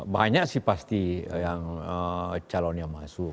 banyak sih pasti yang calon yang masuk